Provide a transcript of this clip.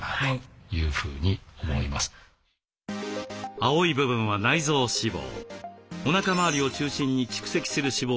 青い部分は内臓脂肪。